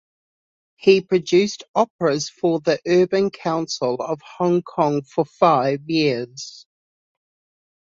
He produced operas for the Urban Council of Hong Kong for five years.